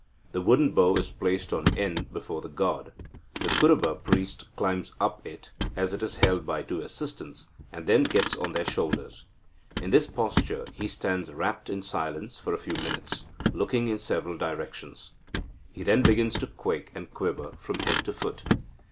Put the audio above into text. The wooden bow is placed on end before the god. The Kuruba priest climbs up it, as it is held by two assistants, and then gets on their shoulders. In this posture he stands rapt in silence for a few minutes, looking in several directions. He then begins to quake and quiver from head to foot.